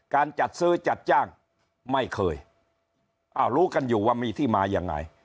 การจัดซื้อจัดจ้างไม่เคยอ้าวรู้กันอยู่ว่ามีที่มายังไง